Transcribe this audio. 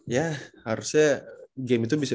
ya harusnya game itu bisa